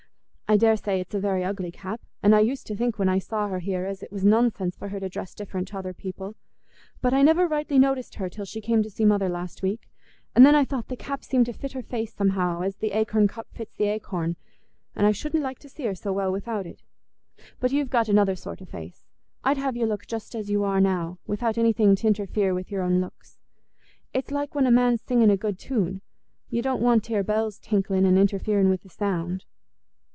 I daresay it's a very ugly cap, and I used to think when I saw her here as it was nonsense for her to dress different t' other people; but I never rightly noticed her till she came to see mother last week, and then I thought the cap seemed to fit her face somehow as th 'acorn cup fits th' acorn, and I shouldn't like to see her so well without it. But you've got another sort o' face; I'd have you just as you are now, without anything t' interfere with your own looks. It's like when a man's singing a good tune—you don't want t' hear bells tinkling and interfering wi' the sound."